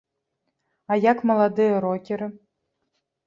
А як маладыя рокеры?